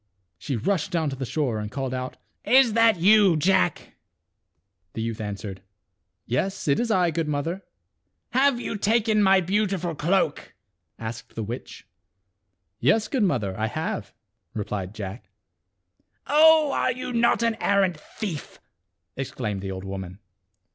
She rushed down to the shore and called out, " Is that |\ 7, i you, Jack?" The youth answered, " x lc 3 "Yes, it is I, good mother." "Have I^Ln terry you taken my beautiful cloak?" asked the witch. "Yes, good mother, I f have," replied Jack. "Oh! are you not an arrant thief ?" exclaimed the old woman.